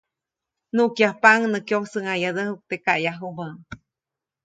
Nuʼkyajpaʼuŋ nä kyosäʼŋadäjuʼk teʼ kaʼyajubä.